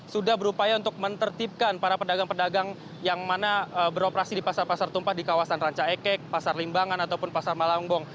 sudah berupaya untuk menertibkan para pedagang pedagang yang mana beroperasi di pasar pasar tumpah di kawasan ranca ekek pasar limbangan ataupun pasar malangbong